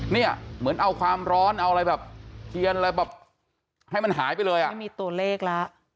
เนี่ยเหมือนเอาความร้อนเอาอะไรแบบเทียนอะไรแบบให้มันหายไปเลยอ่ะไม่มีตัวเลขแล้ว